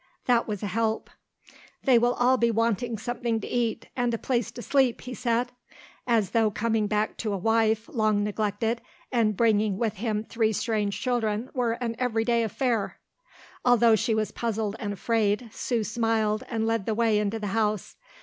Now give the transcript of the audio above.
That was a help. "They will all be wanting something to eat and a place to sleep," he said, as though coming back to a wife, long neglected, and bringing with him three strange children were an everyday affair. Although she was puzzled and afraid, Sue smiled and led the way into the house.